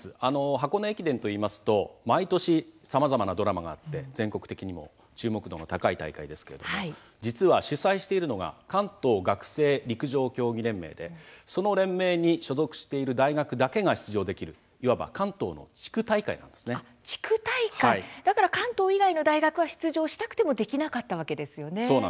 箱根駅伝といいますと毎年さまざまなドラマがあって全国的にも注目度の高い大会ですが実は主催しているのが関東学生陸上競技連盟でその連盟に所属している大学だけが出場できる関東以外の大学は出場したくてもできなかったわけですね。